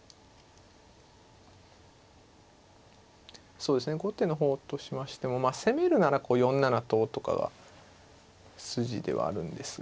そうですね後手の方としましてもまあ攻めるならこう４七ととかが筋ではあるんですが。